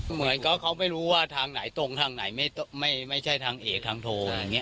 เหมือนก็เขาไม่รู้ว่าทางไหนตรงทางไหนไม่ใช่ทางเอกทางโทรอย่างนี้